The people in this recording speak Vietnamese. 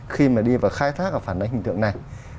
khi mà đi vào khai thác và phản ánh hình tượng này